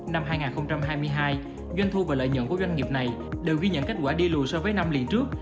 năm hai nghìn hai mươi hai doanh thu và lợi nhuận của doanh nghiệp này đều ghi nhận kết quả đi lùi so với năm liền trước